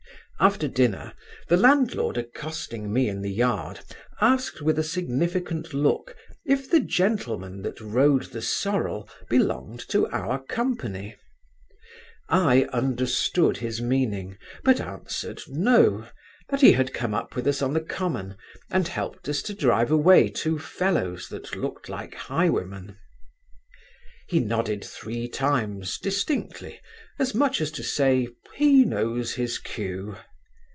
After dinner, the landlord accosting me in the yard, asked with a significant look, if the gentleman that rode the sorrel belonged to our company? I understand his meaning, but answered no; that he had come up with us on the common, and helped us to drive away two fellows, that looked like highwaymen He nodded three times distinctly, as much as to say, he knows his cue.